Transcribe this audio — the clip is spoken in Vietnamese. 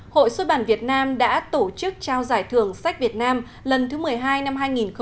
hội xuất bản việt nam đã tổ chức trao giải thưởng sách việt nam lần thứ một mươi hai năm hai nghìn một mươi chín